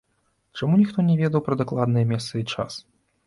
Чаму ніхто не ведаў пра дакладныя месца і час?